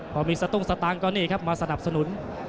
พอมีสตุ้งสตางค์ก็นี่ครับมาสนับสนุน